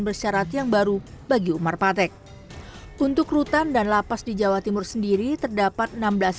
bersyarat yang baru bagi umar patek untuk rutan dan lapas di jawa timur sendiri terdapat enam belas